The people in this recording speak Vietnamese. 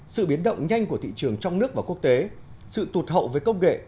sự biến động nhanh của thị trường trong nước và quốc tế sự tụt hậu với công nghệ